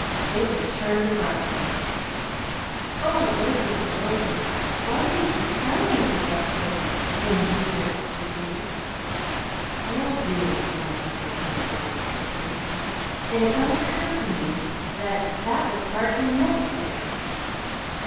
David turned abruptly. "O Lady of the Roses, why didn't you tell me it was like this in here?" he breathed. "Well, really," murmured the lady in the doorway, stiffly, "it had not occurred to me that that was hardly necessary."